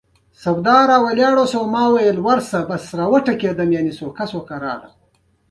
د کابل په پغمان کې د سمنټو مواد شته.